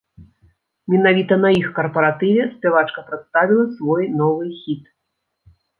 Менавіта на іх карпаратыве спявачка прадставіла свой новы хіт!